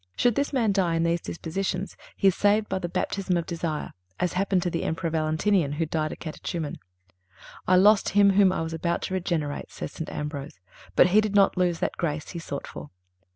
Should this man die in these dispositions, he is saved by the _baptism of __ desire_, as happened to the Emperor Valentinian who died a Catechuman: "I lost him whom I was about to regenerate," says St. Ambrose, "but he did not lose that grace he sought for."